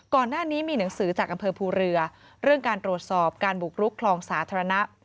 ก่อนหน้านี้มีหนังสือจากอำเภอภูเรือเรื่องการตรวจสอบการบุกรุกคลองสาธารณะ